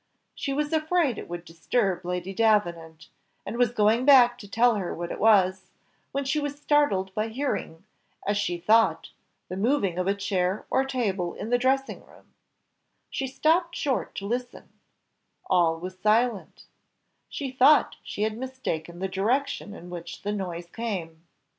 She was afraid it would disturb Lady Davenant, and was going back to tell her what it was, when she was startled by hearing, as she thought, the moving of a chair or table in the dressing room: she stopped short to listen all was silent; she thought she had mistaken the direction in which the noise came.